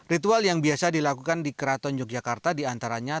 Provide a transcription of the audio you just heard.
ritual yang biasa dilakukan di keraton yogyakarta diantaranya